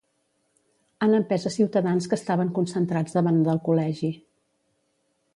Han empès a ciutadans que estaven concentrats davant del col·legi.